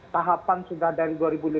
tahapan sudah dari dua ribu lima belas